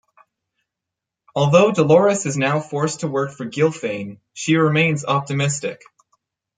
Although Dolores is now forced to work for Gilfain, she remains optimistic.